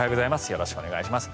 よろしくお願いします。